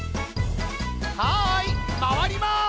はいまわります！